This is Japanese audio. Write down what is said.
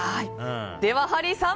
ではハリーさん